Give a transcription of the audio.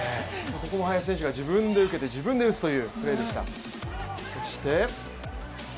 ここも林選手が自分で受けて自分で打つというプレーでした。